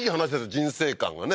人生観がね